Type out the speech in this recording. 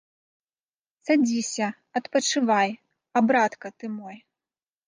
Садзіся, адпачывай, а братка ты мой!